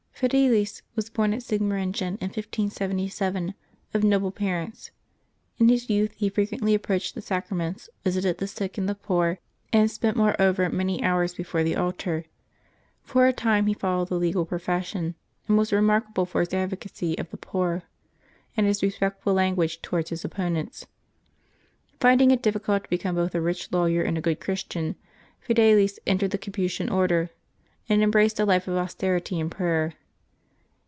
EiDELis was born at Sigmaringen in 1577, of noble parents. In his youth he frequently approached the sacraments, visited the sick and the poor, and spent more over many hours before the altar. For a time he followed the legal profession, and was remarkable for his advocacy of the poor and his respectful language towards his op ponents. Finding it difficult to become both a rich law yer and a good Christian, Fidelis entered the Capuchin Order, and embraced a life of austerity and prayer.